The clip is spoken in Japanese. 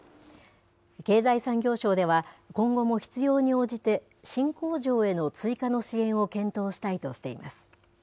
経済産業省では、今後も必要に応じて、新工場への追加の支援を検討したいとしています。